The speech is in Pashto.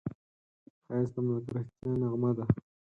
ښایست د ملګرتیا نغمه ده